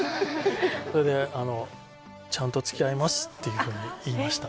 それであの「ちゃんとつきあいます」っていうふうに言いました